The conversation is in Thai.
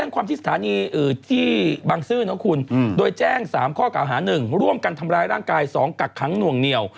๓ข้อกล่าวหา๑ร่วมกันทำร้ายร่างกาย๒กักขังหน่วงเหนียว